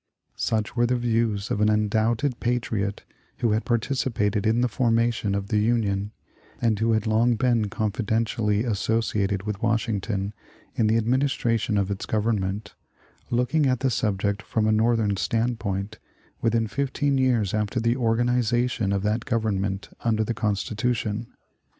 " Such were the views of an undoubted patriot who had participated in the formation of the Union, and who had long been confidentially associated with Washington in the administration of its Government, looking at the subject from a Northern standpoint, within fifteen years after the organization of that Government under the Constitution.